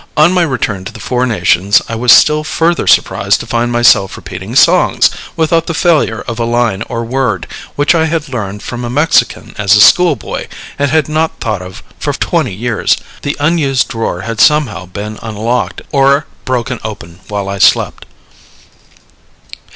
On my return to the Four Nations, I was still further surprised to find myself repeating songs, without the failure of a line or word, which I had learned from a Mexican as a school boy, and had not thought of for twenty years. The unused drawer had somehow been unlocked or broken open while I slept.